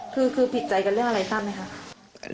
คือผิดใจกันเรื่องอะไรครับ